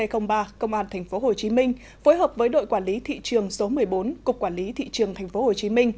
công an tp hcm phối hợp với đội quản lý thị trường số một mươi bốn cục quản lý thị trường tp hcm